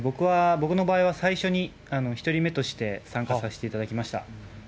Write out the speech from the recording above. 僕の場合は、最初に１人目として参加させていただきました。